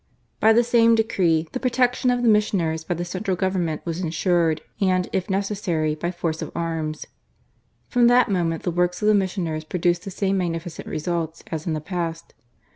By the same MISSIONS. 243 decree, the protection of the missioners by the central Government was ensured, and, if necessary, by force of arms. From that moment, the works of the missioners produced the same magnificent results as in the past.